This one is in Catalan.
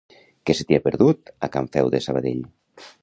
Què se t'hi ha perdut, a Can Feu de Sabadell?